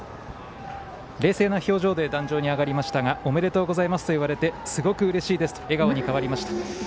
冷静な表情で壇上に上がりましたがおめでとうと言われてすごくうれしいですと笑顔に変わりました。